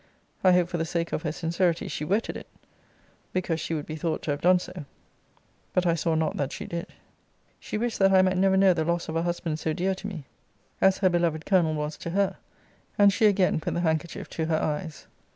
I hope for the sake of her sincerity, she wetted it, because she would be thought to have done so; but I saw not that she did. She wished that I might never know the loss of a husband so dear to me, as her beloved Colonel was to her: and she again put the handkerchief to her eyes.